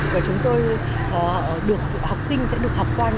và chúng tôi được học sinh sẽ được học quan